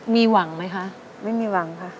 มีหวังไหมคะไม่มีหวังค่ะ